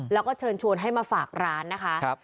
แล้วก็เชิญชวนให้มาฝากร้านนะคะ